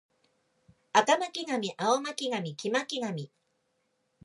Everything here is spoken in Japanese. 赤巻上青巻紙黄巻紙